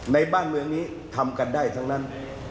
ในบ้านเมืองนี้ทำกันได้ทั้งนั้น